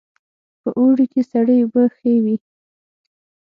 په اوړي کې سړې اوبه ښې وي